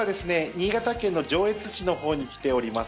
新潟県の上越市のほうに来ております。